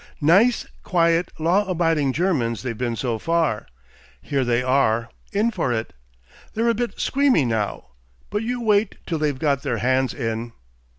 Nice, quiet, law abiding Germans they've been so far.... Here they are in for it. They're a bit squeamy now, but you wait till they've got their hands in."